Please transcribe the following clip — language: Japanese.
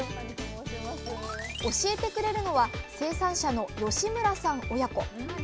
教えてくれるのは生産者の吉村さん親子。